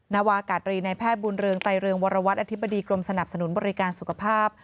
นาวากาศรีในแพทย์บุญเรืองไตเรืองวรวัตรอธิบดีกรมสนับสนุนบริการสุขภาพ